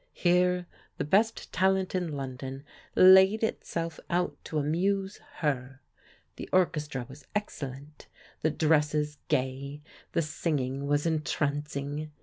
Here the best talent in London laid itself out to amuse her. The orchestra was excellent, the dresses gay, the singing was entrancing.